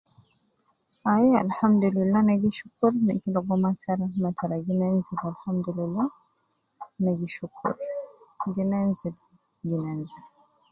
Ai alhamdulillah ana gi shukur na gi ligo matara matara gi nenzil alhamdulillah ,ne gi shukur ,gi nenzil, gi nenzil